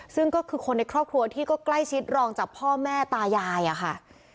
ซึ่งก็คือคนในครอบครัวที่ก็ใกล้ชิดรองจากพ่อแม่ตายายอะค่ะ